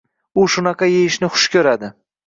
U shunaqa eyishni xush ko`radi